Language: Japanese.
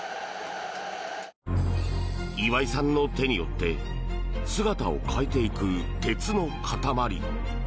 岩井さんの手によって姿を変えていく鉄の塊。